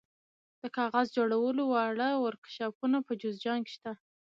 د کاغذ جوړولو واړه ورکشاپونه په جوزجان کې شته.